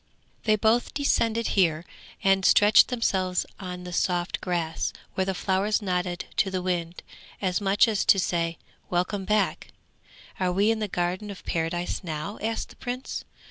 They both descended here and stretched themselves on the soft grass, where the flowers nodded to the wind, as much as to say, 'Welcome back.' 'Are we in the Garden of Paradise now?' asked the Prince.